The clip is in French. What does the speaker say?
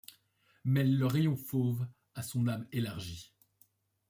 Mêlent leur rayon fauve à son âme élargie